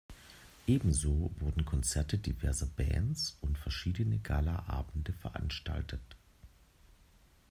Ebenso wurden Konzerte diverser Bands und verschiedene Gala-Abende veranstaltet.